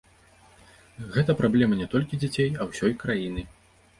Гэта праблема не толькі дзяцей, а ўсёй краіны.